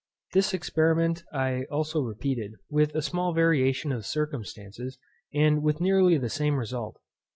This experiment I also repeated, with a small variation of circumstances, and with nearly the same result.